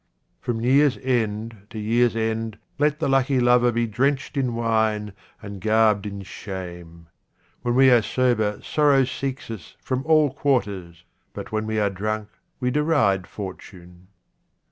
From year's end to year's end let the lucky lover be drenched in wine and garbed in shame. When we are sober sorrow seeks us from all quarters, but when we are drunk we deride fortune.